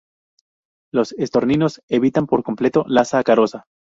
Los estorninos evitan por completo la sacarosa.